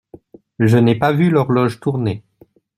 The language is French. Je n’ai pas vu l’horloge tourner.